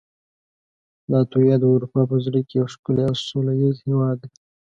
لاتویا د اروپا په زړه کې یو ښکلی او سولهییز هېواد دی.